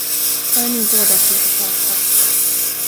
Bara ni båda slutar prata.